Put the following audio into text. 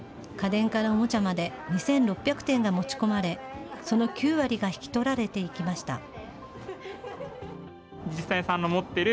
家電からおもちゃまで２６００点が持ち込まれ、その９割が引き取られていきました。